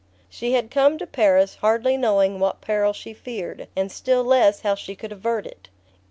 She had come up to Paris hardly knowing what peril she feared, and still less how she could avert it.